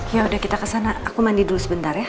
ya udah kita kesana aku mandi dulu sebentar ya